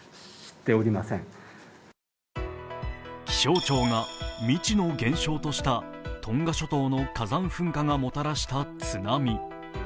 気象庁が未知の現象としたトンガ諸島の火山噴火がもたらした津波。